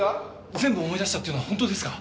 全部思い出したっていうのは本当ですか？